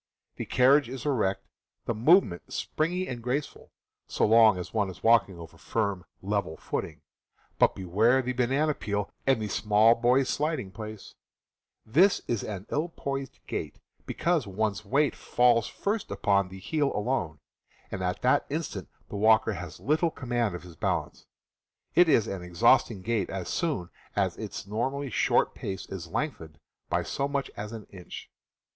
The carriage is erect, the movement springy and graceful, so long as one is walking over firm, level footing — but beware the banana peel and the small boy's sliding place ! This is an ill poised gait, because one's weight falls first upon the heel alone, and at that instant the walker has little command of his balance. It is an exhausting gait as soon as its normally short pace is lengthened by so much as an inch.